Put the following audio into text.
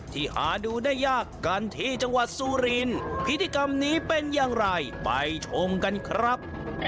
ที่หาดูได้ยากกันที่จังหวัดสุรินพิธีกรรมนี้เป็นอย่างไรไปชมกันครับ